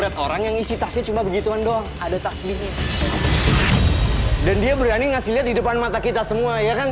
ternyata kalian semua itu